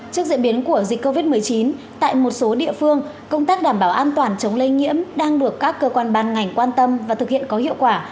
trước diễn biến của dịch covid một mươi chín tại một số địa phương công tác đảm bảo an toàn chống lây nhiễm đang được các cơ quan ban ngành quan tâm và thực hiện có hiệu quả